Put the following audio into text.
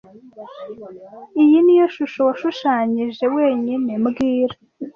Iyi niyo shusho washushanyije wenyine mbwira